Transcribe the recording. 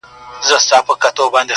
او د وطن ګټې به خوندي کوي